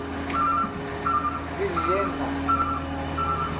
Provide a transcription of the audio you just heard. Vilhena